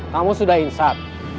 kamu sudah insat